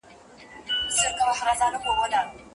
په سمه توګه ولیکې نو بریالی یې.